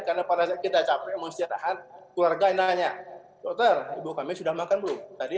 karena pada saat kita capek mustiataan keluarganya dokter ibu kami sudah makan dulu tadi